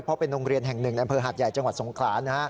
เพราะเป็นโรงเรียนแห่งหนึ่งในอำเภอหาดใหญ่จังหวัดสงขลานะฮะ